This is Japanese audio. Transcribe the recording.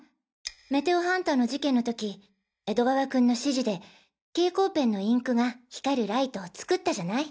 メテオハンターの事件の時江戸川君の指示で蛍光ペンのインクが光るライトを作ったじゃない。